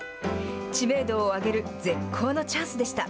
知名度を上げる絶好のチャンスでした。